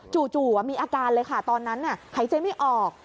มีอาการเลยค่ะตอนนั้นหายใจไม่ออก